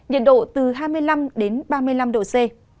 nhiệt độ từ hai mươi năm đến ba mươi năm độ c